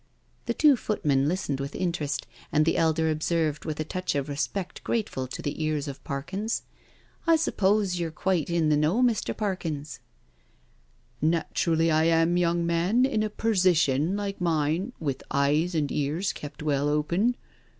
The two footmen listened with interest, and the elder observed, with a touch of respect grateful to the ears of Parkins: " I suppose you're quite in the know, Mr. Parkins?" " Naturally I am, young man, in a persition like mine, with eyes and ears kept well open.